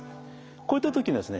こういった時にはですね